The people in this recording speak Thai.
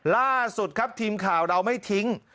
ล่าสุดครับทีมข่าวเราไม่ทิ้ง